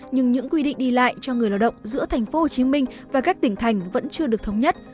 nhưng những quy định đi lại cho người lao động giữa thành phố hồ chí minh và các tỉnh thành vẫn chưa được thống nhất